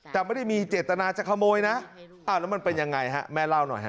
แต่ไม่ได้มีเจตนาจะขโมยนะอ้าวแล้วมันเป็นยังไงฮะแม่เล่าหน่อยฮะ